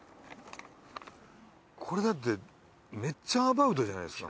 これだってめっちゃアバウトじゃないですか。